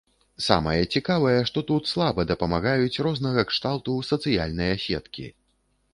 Самае цікавае, што тут слаба дапамагаюць рознага кшталту сацыяльныя сеткі.